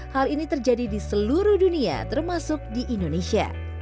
hal ini terjadi di seluruh dunia termasuk di indonesia